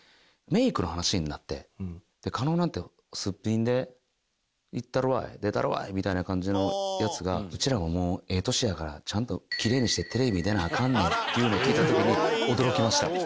加納なんてすっぴんでいったるわい出たるわいみたいな感じのヤツが「うちらももうええ歳やからちゃんとキレイにしてテレビ出なアカンねん」って言うのを聞いた時に驚きました。